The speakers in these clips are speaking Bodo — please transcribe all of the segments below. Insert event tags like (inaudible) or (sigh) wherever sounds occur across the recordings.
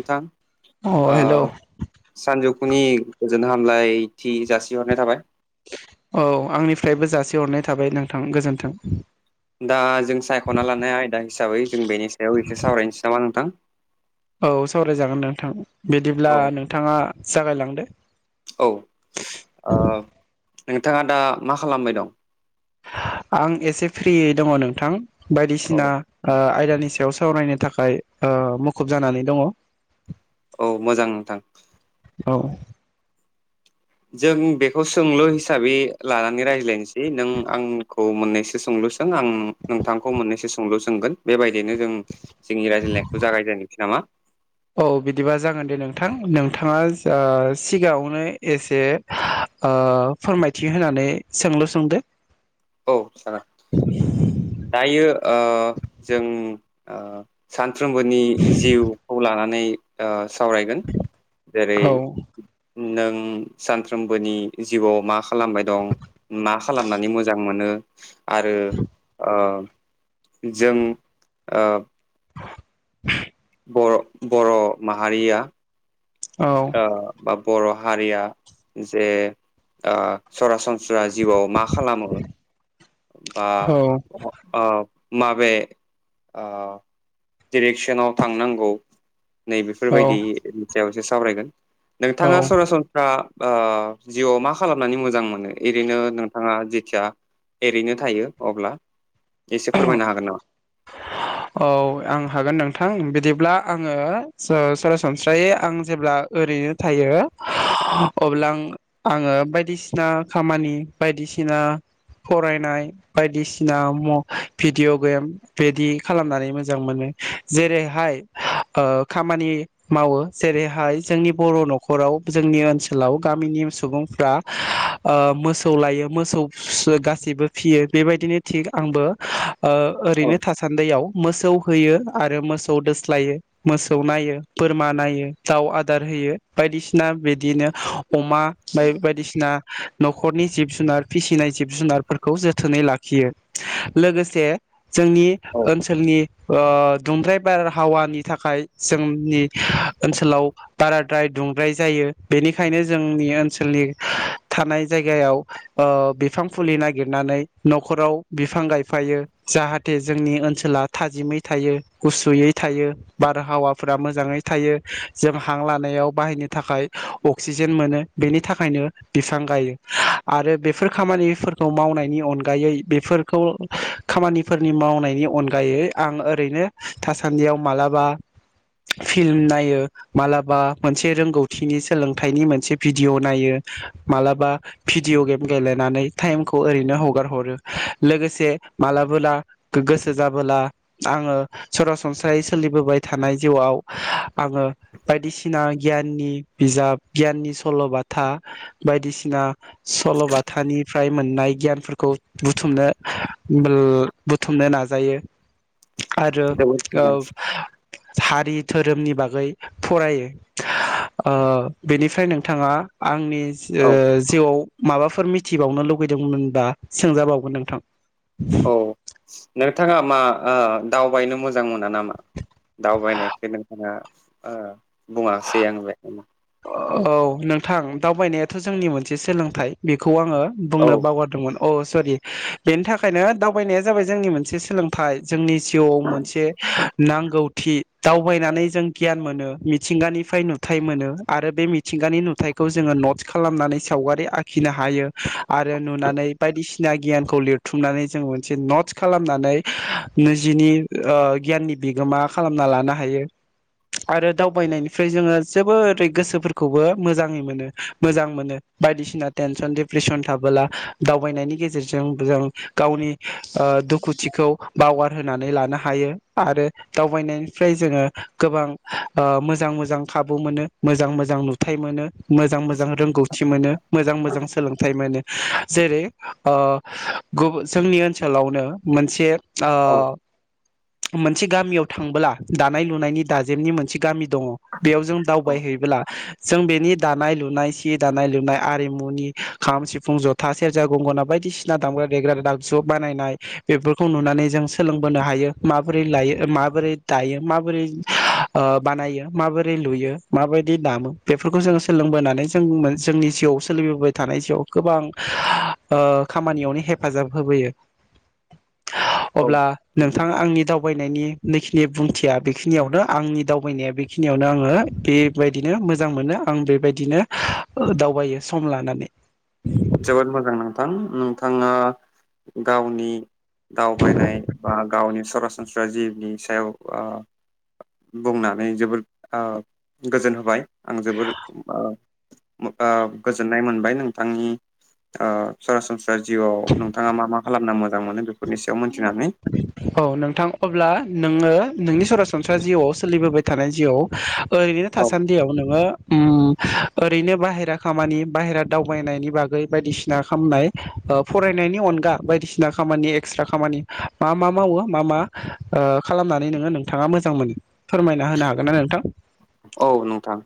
नोंथां अ ओ हेलौ सानजौ नि गोजोन हामलायथि जासिहरनाय थाबाय। औ आंनिफ्रायबो जासिहरनाय थाबाय नोंथां गोजोन्थों। दा जों सायख'ना लानाय आयदा हिसाबै जों बेनि सायाव एसे सावरायनोसै नामा नोंथां? औ सावरायजागोन नोंथां। औ बिदिब्ला नोंथाङा जागायलांदो औ ओ। नोंथाङा दा मा खालामबाय दं? आं एसे फ्रि दङ नोंथां। औ बायदिसिना ओ आयदानि सायाव सावरायनो थाखाय ओ मुखुब जानानै दङ। औ मोजां नोंथां। औ। जों बेखौ सोंलु हिसाबै लानानै रायज्लायनोसै नों आंखौ मोननैसो सोंलु सों आं नोंथांखौ मोननैसो सोंलु सोंगोन बेबायदिनो जों जोंनि रायज्लायनायखौ जागायजायनोसै नामा? औ बिदिबा जागोन दे नोंथां ओ नोंथाङा ओ सिगाङावनो एसे ओ फोरमायथि होनानै सोंलु सोंदो। औ जागोन। दायो ओ जों ओ सान साफ्रोमबोनि जिउखौ लानानै ओ सावरायगोन जेरै औ नों सानफ्रोमबोनि जिउआव मा खालामबाय दं मा खालामनानै मोजां मोनो? आरो ओ जों ओ (inaudible) बर' बर' माहारिया आ बर' हारिया जे ओ सरासन मानस्रा जिउआव मा खालामो? बा ओ माबे ओ डिरेक्सनाव थांनांगौ नै औ बेफोरबायदि बेयावसो सावरायगोन औ नोंथाङा सरासनस्रा ओ जिउआव मा खालामनानै मोजां मोनो एओरैनो नोंथाङा जेथिया एओरैनो थायो अब्ला एसे फोरमायनो हागोन नामा? औ आं हागोन नोंथां। बिदिब्ला आङो सरासनस्रायै आं जेब्ला ओरैनो थायो अब्ला आ आङो बायदिसिना खामानि बायदिसिना फरायनाय बायदिसिना भिडिअ' गेम बिदि खालामनानै मोजां मोनो जेरैहाय ओ खामानि मावो जेरैहाय ओ जोंनि बर' न'खराव जोंनि ओनसोलाव गामिनि सुबुंफ्रा मोसौ लायो मोसौ गासैबो फियो बेबायदिनो थिग आंबो ओ ओरैनो थासान्दियाव मोसौ होयो आरो मोसौ दोस्लायो मोसौ नायो बोरमा नायो दाउ आदार होयो बायदिसिना बिदिनो अमा बायदिसिना न'खरनि जिब जुनार फिसिनाय जिब जुनारफोरखौ जोथोनै लाखियो लोगोसे जोंनि ओनसोलनि ओ दुंब्राय बारहावानि थाखाय जोंनि ओनसोलाव बाराद्राय दुंब्राय जायो बेनिखायनो जोंनि ओनसोलनि थानाय जायगायाव बिफां फुलि नागिरनानै न'खराव बिफां गाय फायो जाहाथे जोंनि ओनसोला थाजिमै थायो गुसुयै थायो बारहावाफोरा मोजाङै थायो जों हां लानायाव बाहायनो थाखाय अक्सिजेन मोनो बेनि थाखायनो बिफां गायो आरो बेफोर खामानिफोरखौ मावनायनि अनगायै बेफोरखौ खामानिफोरनि मावनायनि अनगायै आं ओरैनो थासान्दियाव मालाबा फिल्म नायो मालाबा मोनसे रोंगौथिनि सोलोंथाइनि मोनसे भिडिय' नायो मालाबा भिडिअ गेम गेलेनानै टाइमखौ ओरैनो हगार हरो लोगोसे मालाबोला गोसो जाबोला आङो सरासनस्रायै सोलिबोबाय थानाय जिउआव आङो बायदिसिना गियाननि बिजाब गियाननि सल'बाथा बायदिसिना सल'बाथानिफ्राय मोननाय गियानफोरखौ बुथुमनो। बोल बुथुमनो नाजायो आरो जोबोद मोजां औ। हारि धोरोमनि बागै फरायो ओ बेनिफ्राय नोंथाङा आंनि ओ औ जिउआव माबाफोर मिथिबावनो लुुबैदोंमोनबा सोंजाबावगोन नोंथां औ नोंथाङा मा ओ दावबायनो मोजां मोना नामा दावबायनायखौ नोंथाङा ओ बुङासै आं बे औ नों थां दावबायनायाथ' जोंनि मोनसे सोलोंथाइ बेखौ खौ आङो औ बुंनो बावगारदोंमोन औ सरि बेनि थाखायनो दावबायनाया जाबाय जोंनि मोनसे सोलोंथाइ जोंनि जिउआव मोनसे नांगौथि दावबायनानै जों गियान मोनो मिथिंगानिफ्राय नुथाय मोनो आरो बे मिथिंगानि नुथथायखौ जोङो नट्स खालामनानै सावगारि आखिनो हायो आरो नुनानै बायदिसिना गियानखौ लिरथुमनानै जों मोनसे नट्स खालामनानै निजिनि ओ गियाननि बिगोमा खालामना लानो हायो आरो दावबायनायनिफ्राय जोङो जोबोरै गोसोफोरखौबो मोजाङै मोनो मोजां मोनो बायदिसिना टेनसन डप्रेसन थाबोला दावबायनायनि गेजेरजों जों गावनि ओ दुखुथिखौ बावगारहोनानै लानो हायो आरो दावबायनायनिफ्राय जोङो गोबां ओ मोजां मोजां खाबु मोनो। मोजां मोजां नुथाय मोनो मोजां मोजां रोंगौथि मोनो मोजां मोजां सोलोंथाइ मोनो। जेरै ओ गु जोंनि ओनसोलावनो मोनसे अ। औ मोनसे गामियाव थांबोला दानाय लुनायनि दाजेमनि मोनसे गामि दङ बेयाव जों दाउ बाय हैैयोब्ला जों बेनि दानाय लुनाय सि दानाय लुनाय आरिमुनि खाम सिफुं जथा सेरजा गंगा बायदिसिना दामग्रा देग्रा दागज बानायनाय बेफोरखौ नुनानै जों सोलोंबोनो हायो माबोरै लायो माबोरै दायो माबोरै ओ बानायो माबोरै लुयो माबायदि दामो बेफोरखौ जोङो सोलोंबोनानै जों जोंनि जिउआव सोलिबोबाय थानाय जिआव गोबां ओ खामानियावनो हेफाजाब होबोयो औ अब्ला नंगौ नोंथांङा आंनि दाव बयनायनि नैखिनि बुंथिया बेखिनियावनो आंनि दावबायनाया बेखिनियावनो आङो बेबायदिनो मोजां मोनो आं बेबायदिनो दावबायो सम लानानै जोबोद मोजां नोंथां नोंथाङा गावनि दावबायनाय बा गावनि सरासनस्रा जिनि सायाव आ बुंनानै जोबोर आ गोजोन होबाय आं जोबोर आ आ गोजोननाय मोनबाय नोंथांनि ओ सरासनस्रा जिउआव नोंथाङा मा मा खालामना मोजां मोनो बेफोरनि सायाव मोनथिनानै औ नोंथां अब्ला नोङो नोंनि सरासनस्रा जिउआव सोलिबोबाय थानाय जिउआव ओरैनो औ थासान्दियाव नोङो ओ ओरैनो बाहेरा खामानि बाहेरा दावबायनायनि बागै बायदिसिना खामनाय फरायनायनि अनगा बायदिसिना खामानि एक्सट्रा खामानि मा मा मावो मा मा खालामनानै नोङो नोंथाङा मोजां मोनो फोरमायना होनो हागोन ना नोंथां औ नोंथां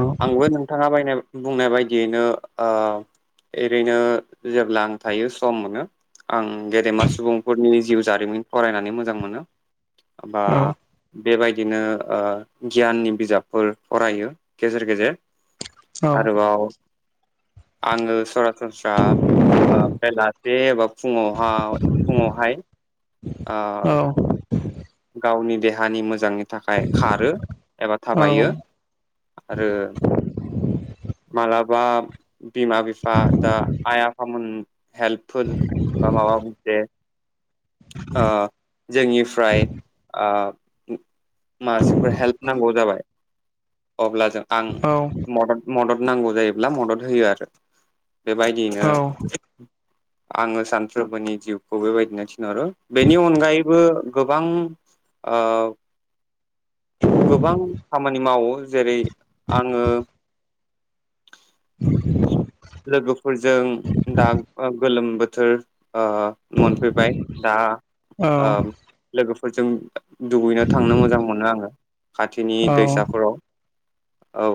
औ आंबो नोंथाङा बायनाय बुंनाय बायदियैनो ओ एरैनो जेब्ला आं थायो सम मोनो आं गेदेमा सुबुंफोरनि जिउ जारिमिन फरायनानै मोजां मोनो। बा औ बेबायदिनो ओ गियाननि बिजाबफोर फरायो। गेजेर गेजेर आरोबाव आङो सरा सनस्रा बेलासे एबा फुङावहा फुङावहाय औ ओ गावनि देहानि मोजांनि थाखाय खारो एबा औ थाबायो औ औ आरो मालाब बा बिमा बिफा दा आइ आफामोन हेल्पफोर बा माबा मुंसे ओ जोंनिफ्राय ओ मासिम हेल्प नांगौ जाबाय अब्ला जों आं औ मदद मदद नांगौ जायोब्ला मदद होयो आरो बेबायदियैनो औ आङो सानफ्रोमबोनि जिउखौ बेबायदिनो नोरो बेनि अनगायै बो गोबां ओ गोबां खामानि मावो जेरै आङो लोगोफोरजों दा गोलोम बो थोर ओ मोनफो बाय दा ओम लोगोफ फोरजों दुगैनो थांनो मोजां मोनो आङो खाथिनि दैसाफोराव औ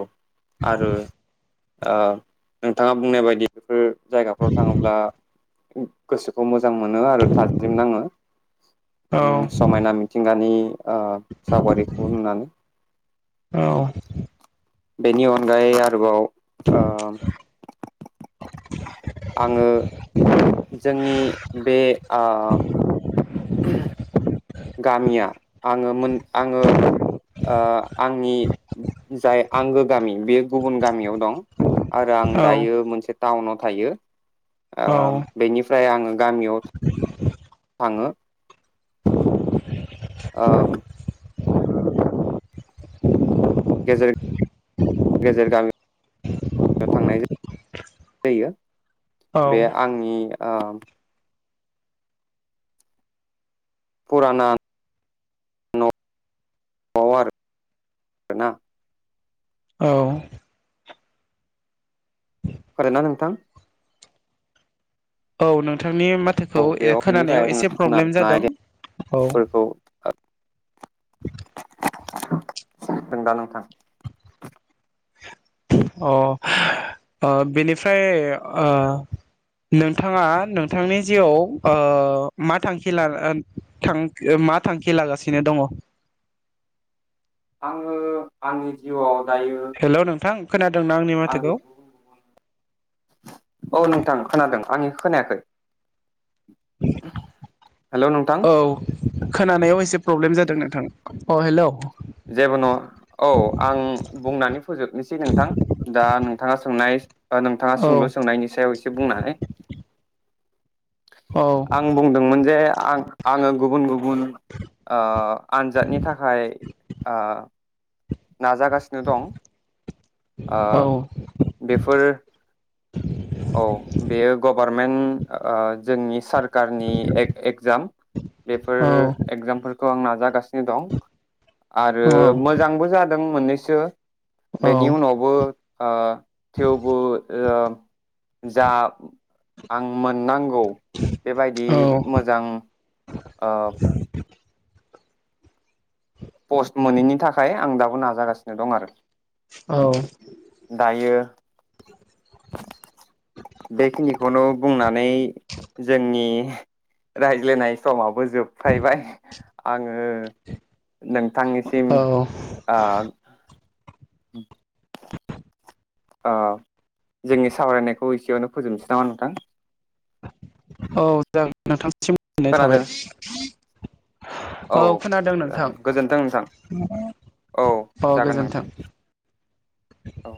आरो उह नोंथांङा बुंनाय बायदि फोर जायगाफ्राव थांङोब्ला गोसोखौ मोजां जां मोनो आरो थारजिम नांङो उम मिथिंगानि उह सावगारिखौ नुनानै। औ बेनि अनगायै आरोबाव ओम आंङो जोंनि बे उह (unintelligible) गामिया आंङो मोन आंङो उह आंनि जाय आंगो गामि बे गुबुन गामियाव दं। आरो आं दायो मोनसे टाउनाव थायो। औ उह बेनिफ्राय आंङो गामियाव थांङो। उह गेजेर गेजेर गामि थांनाय जायो। औ बे आंनि आ फुराना न'आव आरो ना। औ हरे ना नोंथां औ नोंथां। थांनि माथोखौ औ बेयाव बेनिफ्राय एर-खोनानायाव एसे प्रब्लेम जादों औ। आयदाफोरखौ दों दा नोंथां? अ उह बिनिफ्राय उह नोंथांङा नोंथांनि जिउआव उह मा थांखि ला-नान-थां मा थांखि लागासिनो दङ? उह आंनि जिउआव दायो हेल' नोंथां खोनादोंना आंनि आङो माथोखौ औ नोंथां खोनादों आंनि खोनायाखै? हेल' नोंथां औ खोनानायाव एसे प्रब्लेम जादों नोंथां अ हेलौ जेबो नंङा औ आं बुंनानै फोजोबनोसै नोंथां दा नों था सोंनाय दा नोंथाङा सोंलु सोंनायनि सायाव एसे बुंनानै। औ आं बुंदोंमोन जे आं आङो गुबुन गुबुन ओ आनजादनि थाखाय ओ नाजागासिनो दं ओ औ बेफोर औ बेयो गभारनमेन्ट ओ जोंनि सार कारनि एग-एगजाम बेफोर औ एगजामफोर खौ आं नाजागासिनो दं आरो मोजांबो दों मोननैसो औ बेनि उनावबो ओ थेवबो ओआम जा आं मोननांगौ बेबायदि औ मोजां अ पस्ट मोनैनि थाखाय आं दाबो नाजागासिनो दं आरो। औ दायो बेखिनिखौनो बुंनानै जोंनि रायज्लायनाय समाव बो जोबथायबाय आङो नोंथांनिसिम ओ उम ओ जोंनि सावरायनायखौ एसेयावनो फोजोबसै नामा नोंथां? औ जागोन नोंथां। सिम ननाय थाबाय। खोनादों औ खोनादों नोंथां जागोन गोजोन्थों नोंथां औ जागोन गोजोन्थों। नोंथां औ